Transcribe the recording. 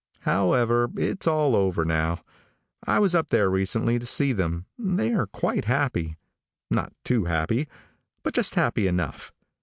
However, it's all over now. I was up there recently to see them. They are quite happy. Not too happy, but just happy enough.